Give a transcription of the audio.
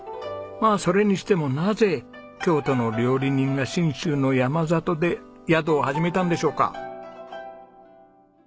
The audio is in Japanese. まあそれにしてもなぜ京都の料理人が信州の山里で宿を始めたんでしょうか。